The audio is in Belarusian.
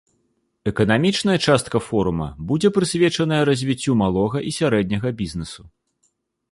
Эканамічная частка форума будзе прысвечаная развіццю малога і сярэдняга бізнесу.